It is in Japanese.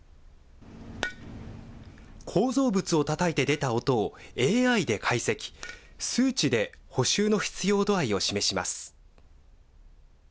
構造物をたたいて出た音をＡＩで解析、数値で補修の必要度合いを示します。